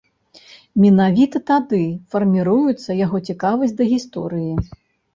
Менавіта тады фарміруецца яго цікавасць да гісторыі.